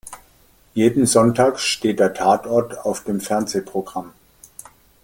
Jeden Sonntag steht der Tatort auf dem Fernsehprogramm.